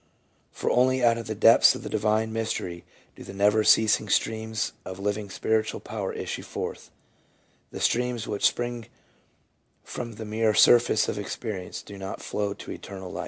For only out of the depths of the divine mystery do the never' ceasing streams of living spiritual power issue forth; the streams which spring from the mere surface of experience do not flow to life eternal.